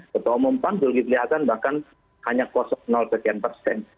ketua umum panjul dilihatkan bahkan hanya kosok sekian persen